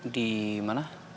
di mana sih